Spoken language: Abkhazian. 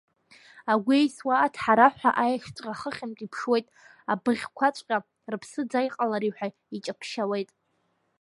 Агәы еисуа аҭҳараҳәа, аешҵәҟьа хыхьынтә иԥшуеит, абыӷьқәаҵәҟьа рыԥсы ӡа иҟалари ҳәа иҷаԥшьауеит.